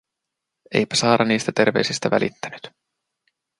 Eipä Saara niistä terveisistä välittänyt.